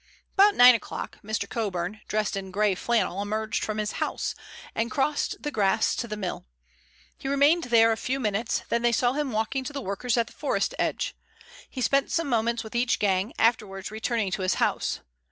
About nine o'clock Mr. Coburn, dressed in gray flannel, emerged from his house and crossed the grass to the mill. He remained there for a few minutes, then they saw him walking to the workers at the forest edge. He spent some moments with each gang, afterwards returning to his house.